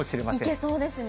いけそうですね。